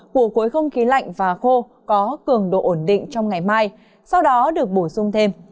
của khối không khí lạnh và khô có cường độ ổn định trong ngày mai sau đó được bổ sung thêm